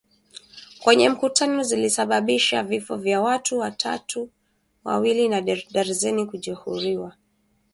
kwenye mkutano zilisababisha vifo vya watu wawili na darzeni kujeruhiwa